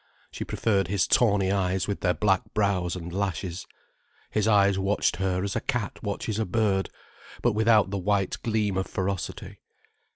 She preferred his tawny eyes with their black brows and lashes. His eyes watched her as a cat watches a bird, but without the white gleam of ferocity.